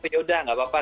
ya udah gak apa apa